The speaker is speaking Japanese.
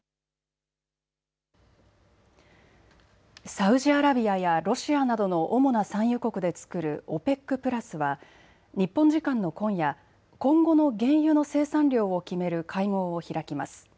サウジアラビアやロシアなどの主な産油国で作るＯＰＥＣプラスは日本時間の今夜、今後の原油の生産量を決める会合を開きます。